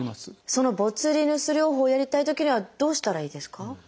そのボツリヌス療法をやりたいときにはどうしたらいいですか？